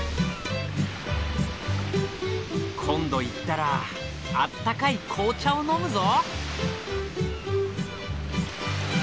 今度行ったらあったかい紅茶を飲むぞ！